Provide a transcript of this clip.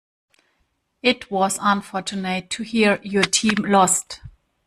It was unfortunate to hear your team lost.